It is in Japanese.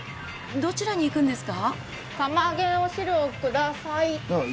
どちらに行くんですか？